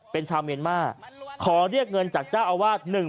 เป็นชาวเมียนมาขอเรียกเงินจากเจ้าอาวาส